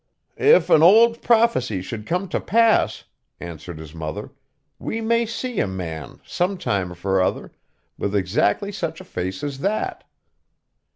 'If an old prophecy should come to pass,' answered his mother, 'we may see a man, some time for other, with exactly such a face as that.